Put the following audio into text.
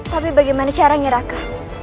tapi bagaimana caranya raka